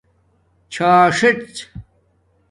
چھأݽژ